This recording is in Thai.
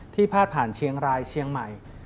พาดผ่านเชียงรายเชียงใหม่